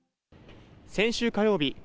先週火曜日